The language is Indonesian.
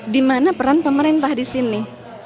dimana peran pemerintah disini